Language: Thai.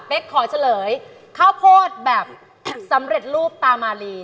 ขอเฉลยข้าวโพดแบบสำเร็จรูปตามาลี